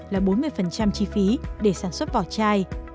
là bốn mươi chi phí để sản xuất vỏ chai